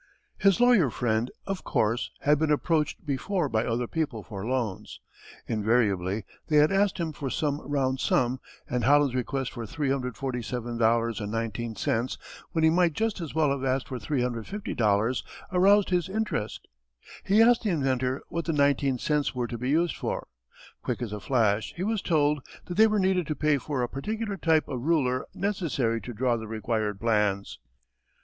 His lawyer friend, of course, had been approached before by other people for loans. Invariably they had asked him for some round sum and Holland's request for $347.19 when he might just as well have asked for $350.00 aroused his interest. He asked the inventor what the nineteen cents were to be used for. Quick as a flash he was told that they were needed to pay for a particular type of ruler necessary to draw the required plans.